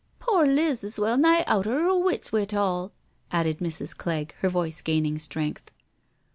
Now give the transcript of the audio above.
" Pore Liz is well nigh out o* 'er wits wi't all," added Mrs. Clegg, her voice gaining strength.